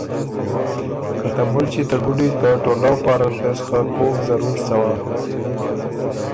که ته مُلچی ته ګُدی ته ټولؤ پاره ر دې سو خه کوک ضرور څوا۔